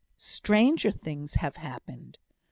"Stranger things have happened.